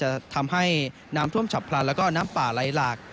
จะทำให้น้ำท่วมฉับพลันแล้วก็น้ำป่าไหลหลาก